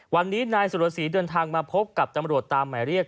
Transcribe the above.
วันนี้นายสุรสีเดินทางมาพบกับตำรวจตามหมายเรียก